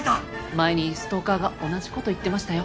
前にストーカーが同じ事言ってましたよ。